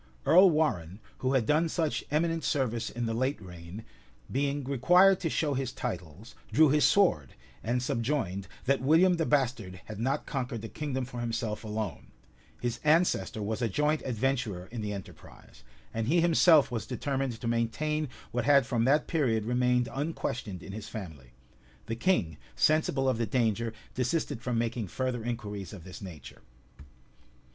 Earl Warrenne, who had done such eminent service in the late reign, being required to show his titles, drew his sword; and subjoined, that William the bastard had not conquered the kingdom for himself alone: his ancestor was a joint adventurer in the enterprise; and he himself was determined to maintain what had from that period remained unquestioned in his family. The king, sensible of the danger, desisted from making further inquiries of this nature.